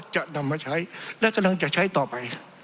จะนำมาใช้และกำลังจะใช้ต่อไป